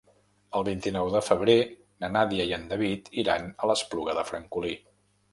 El vint-i-nou de febrer na Nàdia i en David iran a l'Espluga de Francolí.